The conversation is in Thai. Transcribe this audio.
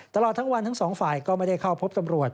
ตลอดทั้งวันทั้งสองฝ่ายก็ไม่ได้เข้าพบตำรวจ